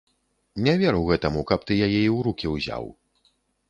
Не веру гэтаму, каб ты яе і ў рукі ўзяў.